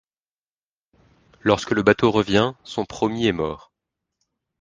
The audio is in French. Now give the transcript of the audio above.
Lorsque le bateau revient, son promis est mort.